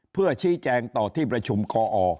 เพื่อชี้แจงต่อที่ประชุมคอ